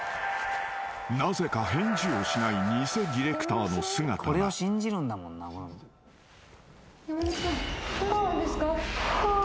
［なぜか返事をしない偽ディレクターの姿が］はあっ。